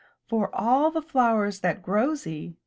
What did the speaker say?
For of all the flowers that growsy.